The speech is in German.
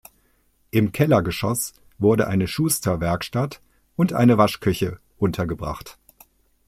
Im Kellergeschoss wurde eine Schusterwerkstatt und eine Waschküche untergebracht.